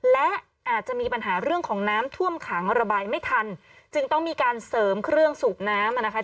และอาจจะมีปัญหาเรื่องของน้ำท่วมขังระบายไม่ทันจึงต้องมีการเสริมเครื่องสูบน้ำอ่ะนะคะ